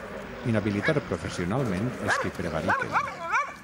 Inhabilitar professionalment els qui prevariquen.